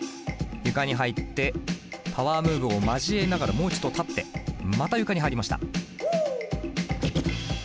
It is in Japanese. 床に入ってパワームーブを交えながらもう一度立ってまた床に入りました。